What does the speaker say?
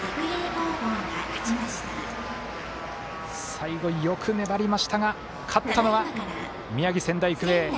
最後、よく粘りましたが勝ったのは宮城、仙台育英。